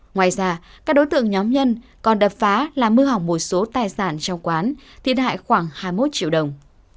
ngoài ra các đối tượng nhóm nhân còn đập phá làm hư hỏng một số tài sản trong quán thiệt hại khoảng hai mươi một triệu đồng